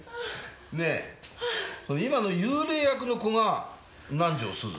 ねえ今の幽霊役の子が南条すず？